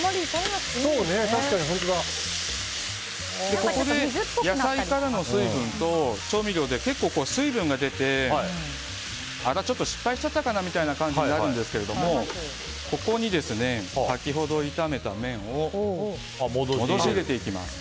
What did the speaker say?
ここで野菜からの水分と調味料で結構、水分が出て、ちょっと失敗しちゃったかなみたいな感じになるんですけどもここに先ほど炒めた麺を戻していきます。